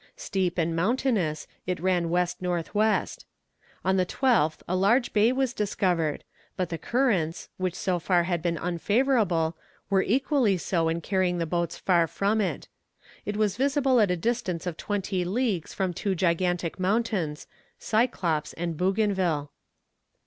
Steep and mountainous, it ran west north west. On the 12th a large bay was discovered, but the currents, which so far had been unfavourable, were equally so in carrying the boats far from it. It was visible at a distance of twenty leagues from two gigantic mountains, Cyclops and Bougainville.